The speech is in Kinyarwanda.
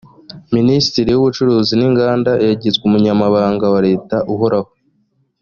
minisitiri w’ubucuruzi n’inganda yagizwe umunyabanga wa leta uhoraho